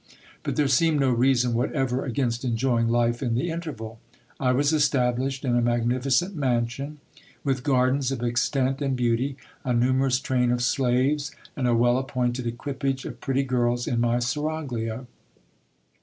But there seemed no reason whatever against enjoying life in the interval. I was estab lished in a magnificent mansion, with gardens of extent and beauty, a numerous train of slaves, and a well appointed equipage of pretty girls in my seraglio.